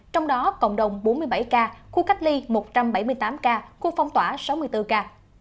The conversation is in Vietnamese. trong đó cộng đồng bốn mươi bảy ca khu cách ly một trăm bảy mươi tám ca khu phong tỏa sáu mươi bốn ca